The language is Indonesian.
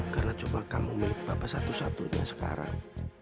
karena coba kamu milik bapak satu satunya sekarang